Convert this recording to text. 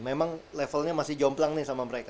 memang levelnya masih jomplang nih sama mereka